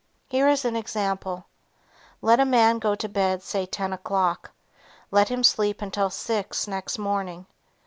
Here is an example. Let a man go to bed say ten o'clock. Let him sleep until six next morning.